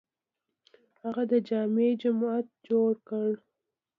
هغه د جامع جومات جوړ کړ.